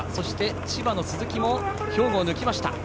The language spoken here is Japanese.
千葉の鈴木も兵庫を抜きました。